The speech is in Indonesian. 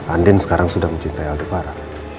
andi sekarang sudah mencintai aldepara